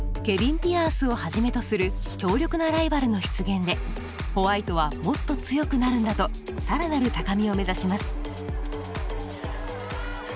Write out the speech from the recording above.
ケビン・ピアースをはじめとする強力なライバルの出現でホワイトはもっと強くなるんだと更なる高みを目指します。